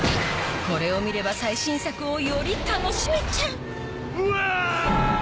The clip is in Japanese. これを見れば最新作をより楽しめちゃううわ！